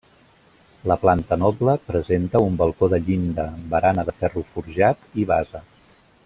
La planta noble presenta un balcó de llinda, barana de ferro forjat i base.